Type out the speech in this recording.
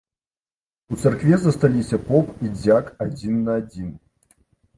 У царкве засталіся поп і дзяк адзін на адзін.